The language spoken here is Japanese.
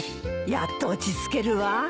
やっと落ち着けるわ。